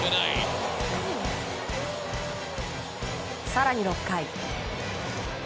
更に、６回。